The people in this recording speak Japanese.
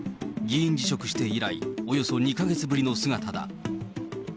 議員辞職して以来、およそ２か月ぶりの姿だ。